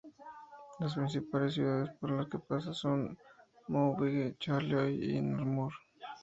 Las principales ciudades por las que pasa son Maubeuge, Charleroi y Namur.